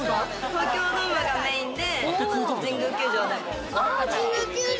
東京ドームがメインで、神宮球場も。